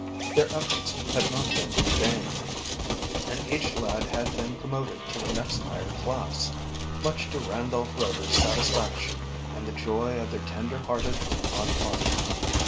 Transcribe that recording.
Their efforts had not been in vain, and each lad had been promoted to the next higher class, much to Randolph Rover's satisfaction and the joy of their tender hearted Aunt Martha.